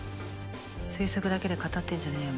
推測だけで語ってんじゃねぇよ